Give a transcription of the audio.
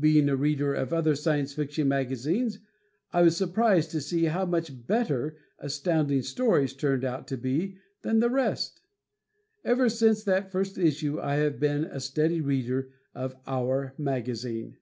Being a reader of other Science Fiction magazines, I was surprised to see how much better Astounding Stories turned out to be than the rest. Ever since that first issue I have been a steady reader of "our" magazine.